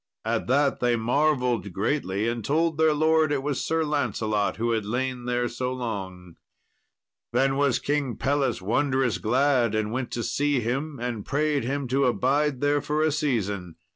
At that they marvelled greatly, and told their lord it was Sir Lancelot who had lain there so long. Then was King Pelles wondrous glad and went to see him, and prayed him to abide there for a season.